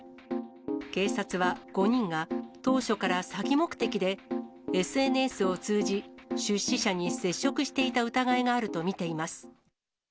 警察は、５人が当初から詐欺目的でＳＮＳを通じ出資者に接触していた疑いがあると見ています。